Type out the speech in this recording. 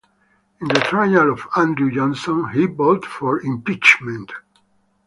In the trial of Andrew Johnson, he voted for impeachment.